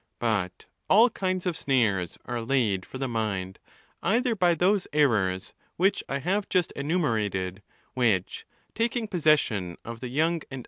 But all kinds of snares are laid for the mind, either by those errors which I have just enumerated, which, taking possession of the young and.